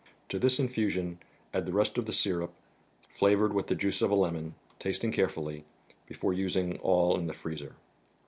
To this infusion add the rest of the syrup, flavored with the juice of a lemon, tasting carefully, before using all in the freezer.